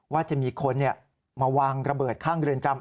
ว่าจะมีคนมาวางระเบิดข้างเรือนจำ